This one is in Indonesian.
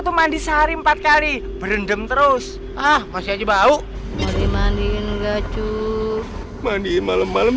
tuh mandi sehari empat kali berendam terus ah masih aja bau mandiin gak cuy mandi malam malam